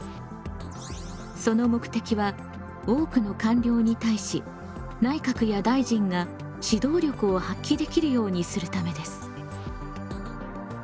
その目的は多くの官僚に対し内閣や大臣が指導力を発揮できるようにするためです。